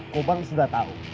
kobang sudah tahu